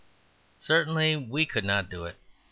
Certainly we could not do it.